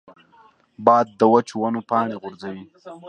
باد د وچو ونو پاڼې غورځوي